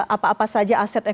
apa apa saja aset yang diperlukan